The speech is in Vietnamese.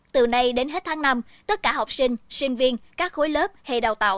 từ nay đến hết tháng năm tất cả học sinh sinh viên các khối lớp hay đào tạo